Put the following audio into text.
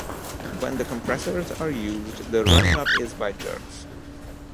When the compressors are used, the running-up is by jerks.